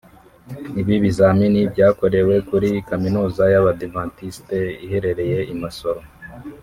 Ibi bizamini byakorewe kuri Kaminuza y’Abadivantiste iherereye i Masoro